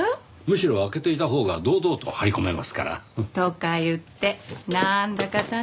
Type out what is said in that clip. むしろ開けていたほうが堂々と張り込めますから。とか言ってなんだか楽しそう。